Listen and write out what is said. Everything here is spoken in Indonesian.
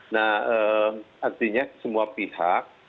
nah artinya semua pihak